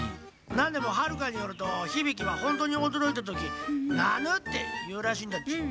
なんでもはるかによるとヒビキはホントにおどろいたとき「なぬ！」って言うらしいんだっち。